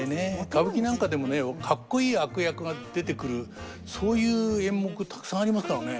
歌舞伎なんかでもねカッコいい悪役が出てくるそういう演目たくさんありますからね。